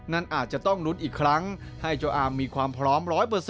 อาจจะต้องลุ้นอีกครั้งให้เจ้าอาร์มมีความพร้อม๑๐๐